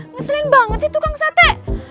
ngeselin banget sih tukang sate